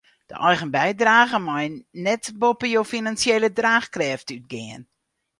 De eigen bydrage mei net boppe jo finansjele draachkrêft útgean.